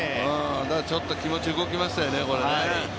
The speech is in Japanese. ちょっと気持ち、動きましたよね。